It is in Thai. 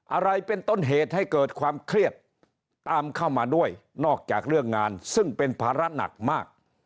อะไรเป็นต้นเหตุให้เกิดความเครียดตามเข้ามาด้วยนอกจากเรื่องงานซึ่งเป็นภาระหนักมาก